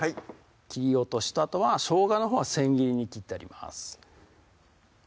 切り落としとあとはしょうがのほうはせん切りに切ってあります